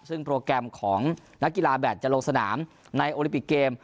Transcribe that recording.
ซึ่งโปรแกรมของนักกีฬาแบตจะลงสนามในโอลิปิกเกม